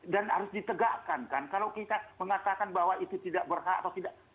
dan harus ditegakkan kan kalau kita mengatakan bahwa itu tidak berhak atau tidak